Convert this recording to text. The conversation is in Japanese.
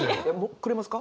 くれますか？